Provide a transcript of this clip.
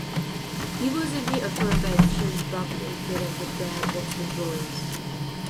He was in the aforementioned "Buck Naked and the Bare Bottom Boys".